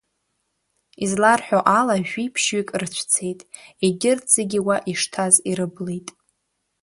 Изларҳәо ала, жәиԥшьҩык рыцәцеит, егьырҭ зегьы уа ишҭаз ирыблит.